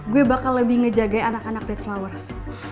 gue bakal lebih ngejagai anak anak dead flowers